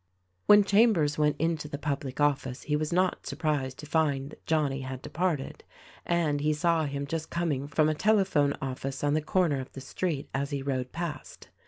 When Chambers went into the public office he was not surprised to find that Johnnie had departed, and he saw him just coming from a telephone office on the corner of the street as he rode past.